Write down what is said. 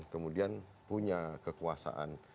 kemudian punya kekuasaan